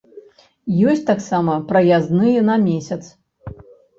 Ёсць таксама праязныя на месяц.